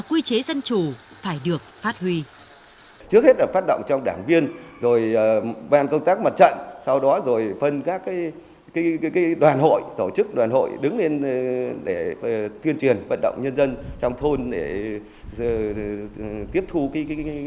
quy chế dân chủ phải được phát huy